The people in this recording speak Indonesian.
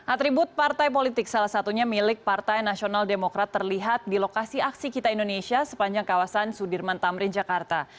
atribut partai politik salah satunya milik partai nasional demokrat terlihat di lokasi aksi kita indonesia sepanjang kawasan sudirman tamrin jakarta